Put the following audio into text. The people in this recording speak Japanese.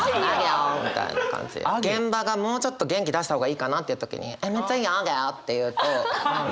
現場がもうちょっと元気出した方がいいかなっていう時に「めっちゃいいアゲァ」って言うと何か割と。